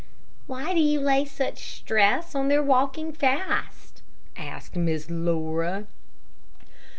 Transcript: "Why do you lay such stress on their walking fast?" asked Miss Laura.